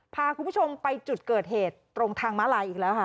พาคุณผู้ชมไปจุดเกิดเหตุตรงทางม้าลายอีกแล้วค่ะ